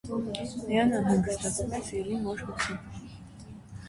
Նրան անհանգստացնում է սիրելի մոր հոգին։